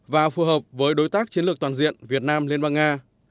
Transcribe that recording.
và phù hợp với đối tác chiến lược toàn diện việt nam liên bang nga